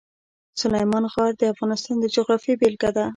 سلیمان غر د افغانستان د جغرافیې بېلګه ده.